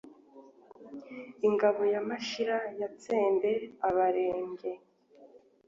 Ingoma ya Mashira yatsembe Abarenge